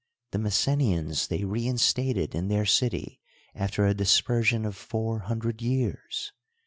The Messenians they reinstated in their city, after a dispersion of four hundred years.